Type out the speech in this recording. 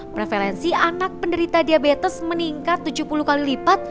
prevalensi anak penderita diabetes meningkat tujuh puluh kali lipat